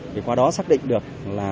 thì qua đó xác định được